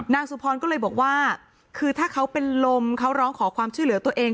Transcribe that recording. นางสุพรก็เลยบอกว่าคือถ้าเขาเป็นลมเขาร้องขอความช่วยเหลือตัวเอง